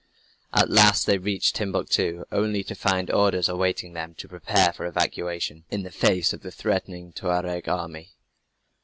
At last they reached Timbuctoo, only to find orders awaiting them to "prepare for evacuation," in the face of a threatening Tuareg army.